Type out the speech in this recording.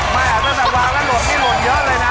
มากตัวแต่วางแล้วหล่นให้หล่นเยอะเลยนะ